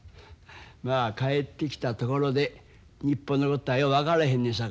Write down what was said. まあ帰ってきたところで日本のことはよう分からへんです